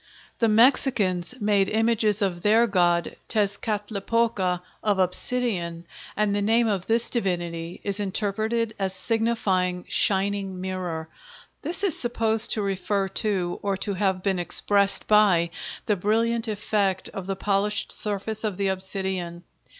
] The Mexicans made images of their god Tezcatlipoca of obsidian, and the name of this divinity is interpreted as signifying "shining mirror." This is supposed to refer to, or to have been expressed by, the brilliant effect of the polished surface of the obsidian.